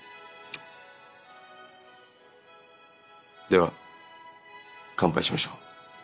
では乾杯しましょう。